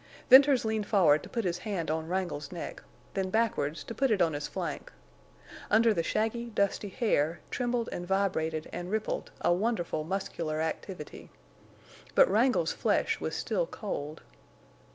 Venters leaned forward to put his hand on Wrangle's neck, then backward to put it on his flank. Under the shaggy, dusty hair trembled and vibrated and rippled a wonderful muscular activity. But Wrangle's flesh was still cold.